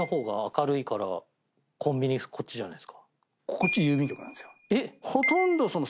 こっち郵便局なんですよ。